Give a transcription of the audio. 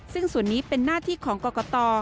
ซึ่งส่วนนี้เป็นหน้าที่ของกรกต